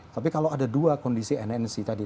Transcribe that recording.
tapi kalau ada dua kondisi nnc tadi